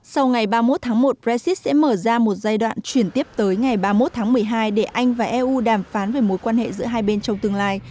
sau ngày ba mươi một tháng một brexit sẽ mở ra một giai đoạn chuyển tiếp tới ngày ba mươi một tháng một mươi hai để anh và eu đàm phán về mối quan hệ giữa hai bên trong tương lai